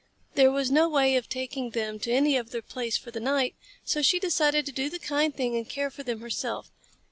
There was no way of taking them to any other place for the night, so she decided to do the kind thing and care for them herself.